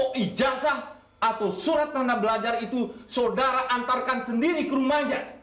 ijazah atau surat tanda belajar itu saudara antarkan sendiri ke rumahnya